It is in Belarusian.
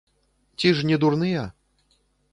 Ці ж не дурныя?